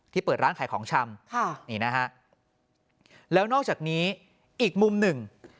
เปิดร้านขายของชำค่ะนี่นะฮะแล้วนอกจากนี้อีกมุมหนึ่ง